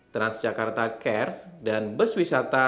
transjakarta cares dan bus wisata